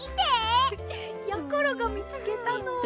やころがみつけたのは。